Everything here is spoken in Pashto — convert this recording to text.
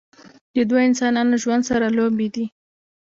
د دوه انسانانو ژوند سره لوبې دي